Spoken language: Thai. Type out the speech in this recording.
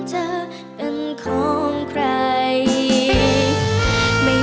ถูกเขาทำร้ายเพราะใจเธอแบกรับมันเอง